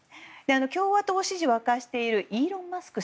共和党支持を明かしているイーロン・マスク